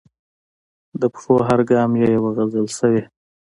د پښو هر ګام یې یوه غزل شوې.